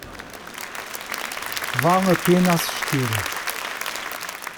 Vale a pena assistir